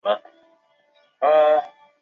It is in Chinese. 叔父瞿兑之。